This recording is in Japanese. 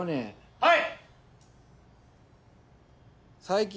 はい